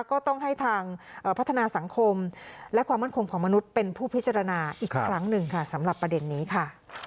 ก็ต้องให้ทางพัฒนาสังคมและความมั่นคงของมนุษย์เป็นผู้พิจารณาอีกครั้งหนึ่งค่ะสำหรับประเด็นนี้ค่ะ